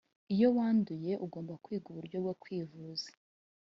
iyo wanduye ugomba kwiga uburyo bwokwivuza.